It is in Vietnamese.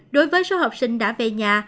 đối với số học sinh đã về nhà